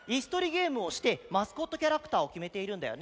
ゲームをしてマスコットキャラクターをきめているんだよね？